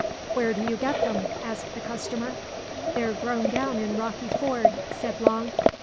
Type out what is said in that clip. "Where do you get them?" asked the customer. "They're grown down in Rocky Ford," said Long.